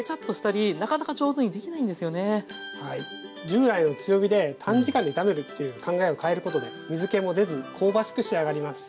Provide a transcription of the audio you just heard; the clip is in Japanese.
従来の強火で短時間で炒めるという考えを変えることで水けも出ずに香ばしく仕上がります。